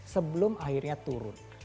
sebelum akhirnya turun